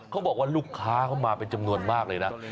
เขาบอกว่าลูกค้าเข้ามาเป็นจำนวนมากเลยนะ